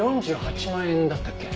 ４８万円だったっけ？